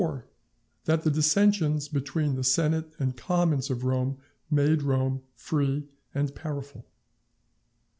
—That the Dissensions between the Senate and Commons of Rome, made Rome free and powerful.